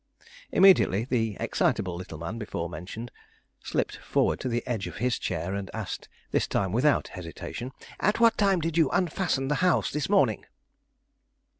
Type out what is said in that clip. Immediately the excitable little man, before mentioned, slipped forward to the edge of his chair and asked, this time without hesitation: "At what time did you unfasten the house this morning?"